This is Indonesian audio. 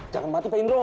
jangan mati pak hrino